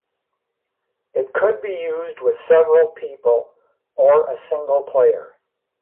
It could be used with several people or a single player.